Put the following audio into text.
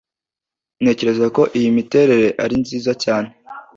Ntekereza ko iyi miterere ari nziza cyane.